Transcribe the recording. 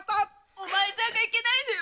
お前さんがいけないのよ。